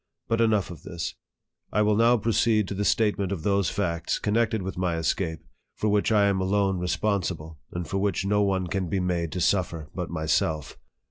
But enough of this. I will now proceed to the statement of those facts, connected with my escape, for which I am alone responsible, and for which no one can be made to suffer but myself.